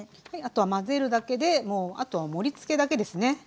はいあとは混ぜるだけでもうあとは盛りつけだけですね。